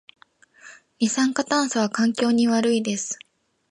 二酸化炭素は環境に悪いです